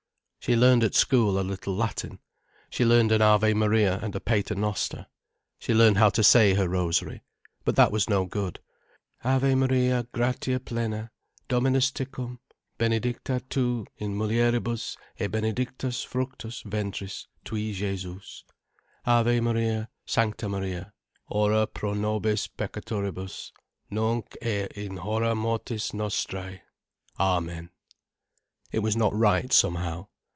She learned at school a little Latin, she learned an Ave Maria and a Pater Noster, she learned how to say her rosary. But that was no good. "Ave Maria, gratia plena, Dominus tecum, Benedicta tu in mulieribus et benedictus fructus ventris tui Jesus. Ave Maria, Sancta Maria, ora pro nobis peccatoribus, nunc et in hora mortis nostrae, Amen." It was not right, somehow.